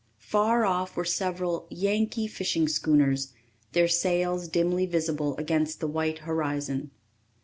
Far off were several "Yankee" fishing schooners, their sails dimly visible against the white horizon.